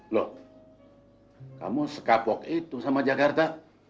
loh kamu sekapok itu sama jakarta